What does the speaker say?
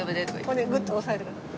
これでグッと押さえてください。